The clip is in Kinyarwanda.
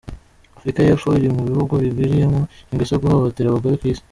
Afrika yepfo iri mu bihugu bigwiriyemwo ingeso yo guhohotera abagore kw'isi.